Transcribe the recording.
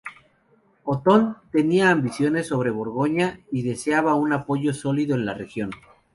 Otón tenía ambiciones sobre Borgoña y deseaba un apoyo sólido en la región.